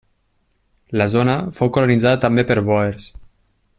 La zona fou colonitzada també per bòers.